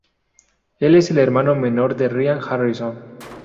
Él es el hermano menor de Ryan Harrison.